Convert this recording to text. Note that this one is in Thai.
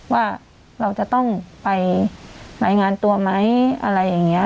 ว่าเราจะต้องไปรายงานตัวไหมอะไรอย่างนี้